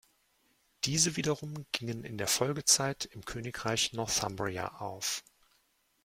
Diese wiederum gingen in der Folgezeit im Königreich Northumbria auf.